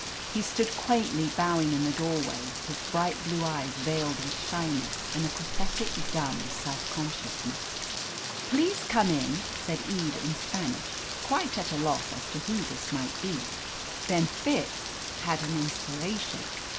He stood quaintly bowing in the doorway, his bright blue eyes veiled with shyness and a pathetic dumb self consciousness. "Please come in," said Eve in Spanish, quite at a loss as to who this might be. Then Fitz had an inspiration.